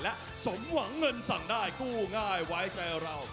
และสมหวังเงินสั่งได้กู้ง่ายไว้ใจเรา